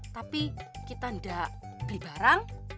tapi kita tidak beli barang